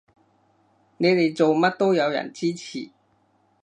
你哋做乜都有人支持